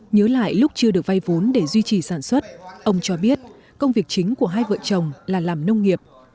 nhớ lại lúc chưa được vay vốn để duy trì sản xuất ông cho biết công việc chính của hai vợ chồng là làm nông nghiệp